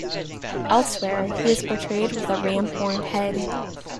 Elsewhere he was portrayed with a ram-horned head.